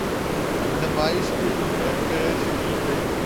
نمائش کے لیے پیش کی گئی۔